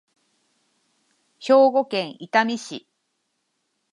兵庫県伊丹市